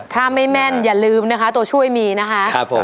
ถ้าไม่แม่นอย่าลืมนะคะตัวช่วยมีนะคะ